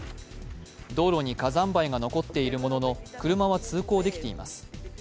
道路に火山灰が残っているものの、車は通行できています。